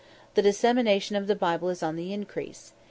The dissemination of the Bible is on the increase.